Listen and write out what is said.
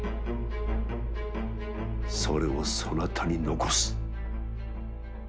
それをそなたに残す。